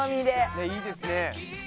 ねいいですね。